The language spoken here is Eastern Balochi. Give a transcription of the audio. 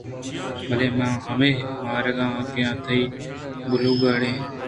بلے من ہمے مارگ ءَ آں کہ تئی گُلُڑیکّے